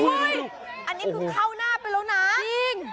อันนี้คือเข้าหน้าไปแล้วนะจริง